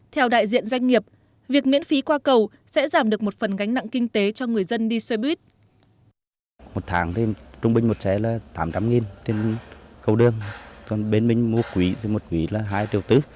theo đại diện doanh nghiệp việc miễn phí qua cầu sẽ giảm được một phần gánh nặng kinh tế cho người dân đi xe buýt